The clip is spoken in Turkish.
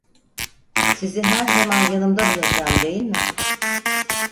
Sizi her zaman yanımda bulacağım değil mi?